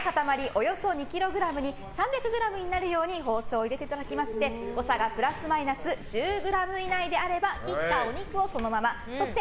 およそ２ｋｇに３００ｇになるように包丁を入れていただきまして誤差がプラスマイナス１０ｇ以内であれば切ったお肉をそのままそして、